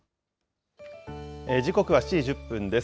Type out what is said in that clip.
時刻は７時１０分です。